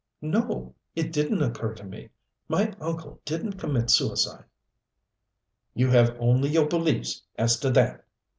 "No. It didn't occur to me. My uncle didn't commit suicide." "You have only your beliefs as to that?"